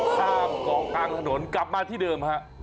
ข้ามเกาะกลางถนนกลับมาที่เดิมฮะ